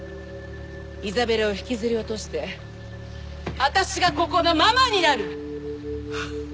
イザベラを引きずり落としてあたしがここのママになる！